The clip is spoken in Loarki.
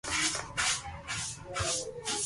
مني تڙپاو متي ني